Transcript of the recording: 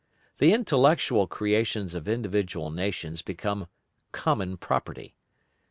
The intellectual creations of individual nations become common property.